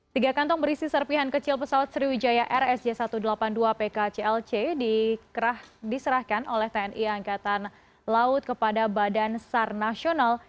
tiga kantong berisi serpihan kecil pesawat sriwijaya rsj satu ratus delapan puluh dua pkclc diserahkan oleh tni angkatan laut kepada badan sar nasional